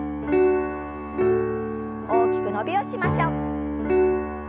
大きく伸びをしましょう。